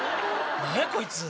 何やこいつ